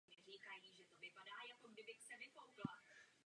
Vyjednávali jsme tvrdě a velmi kontroverzním způsobem.